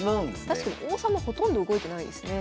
確かに王様ほとんど動いてないですね。